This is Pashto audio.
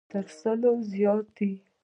تر سلو زیات دی.